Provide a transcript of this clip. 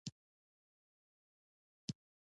پیریان باختر اجان ته خبر ورکوي.